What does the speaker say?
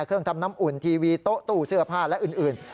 เครื่องทำน้ำอุ่นทีวีโต๊ะตู้เสื้อผ้าและอื่น